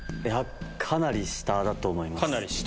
かなり下だと思います。